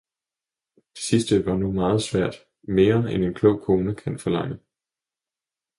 Det sidste var nu meget svært, mere, end en klog kone kan forlange.